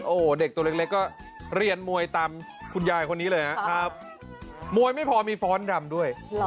โอ้โหเด็กตัวเล็กก็เรียนมวยตามคุณยายคนนี้เลยนะครับมวยไม่พอมีฟ้อนดำด้วย